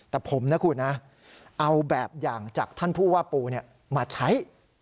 แต่ผมนะคุณนะเอาแบบอย่างจากท่านผู้ว่าปูมาใช้